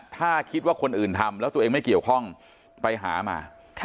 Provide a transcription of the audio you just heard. ถ้าคิดว่าคนอื่นทำแล้วตัวเองไม่เกี่ยวข้องไปหามา